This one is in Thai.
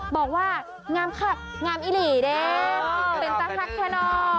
บอกว่างามคักงามอิลิเด้มเป็นตาคักข้าน้อ